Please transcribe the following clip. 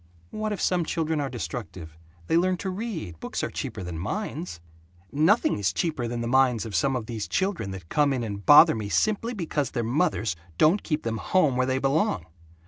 "What if some children are destructive? They learn to read. Books are cheaper than minds." "Nothing is cheaper than the minds of some of these children that come in and bother me simply because their mothers don't keep them home where they belong.